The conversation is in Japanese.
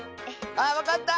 あわかった！